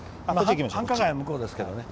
繁華街は向こうですね。